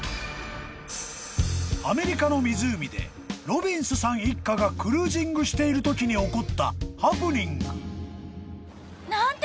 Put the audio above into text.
［アメリカの湖でロビンスさん一家がクルージングしているときに起こったハプニング］